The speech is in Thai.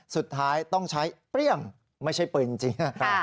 สุดท้ายต้องใช้เปรี้ยงไม่ใช่ปืนจริง